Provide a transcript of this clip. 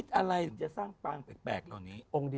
พระพุทธพิบูรณ์ท่านาภิรม